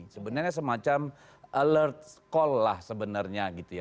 sebenarnya semacam alert call lah sebenarnya gitu ya